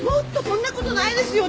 そんなことないですよ。